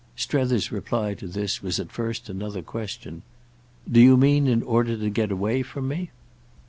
Strether's reply to this was at first another question. "Do you mean in order to get away from me?"